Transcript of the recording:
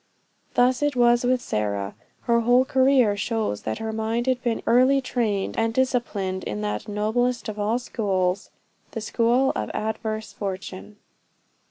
Thus it was with Sarah. Her whole career shows that her mind had been early trained and disciplined in that noblest of all schools, the school of adverse fortune.